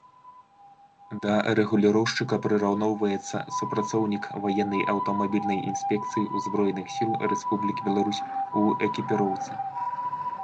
Да рэгуліроўшчыка прыраўноўваецца супрацоўнік Ваеннай аўтамабільнай інспекцыі Узброеных Сіл Рэспублікі Беларусь у экіпіроўцы